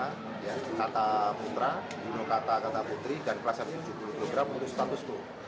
nageno kata putri dan kelas tujuh puluh kg untuk status itu